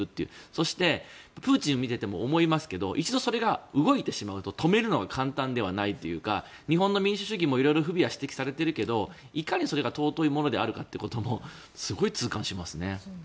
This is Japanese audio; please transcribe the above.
そして、プーチンを見ていても思いますが一度それが動いてしまうと止めるのは簡単じゃないというか日本の民主主義も色々不備は指摘されているけれどもいかにそれが尊いものかもすごい痛感しますね。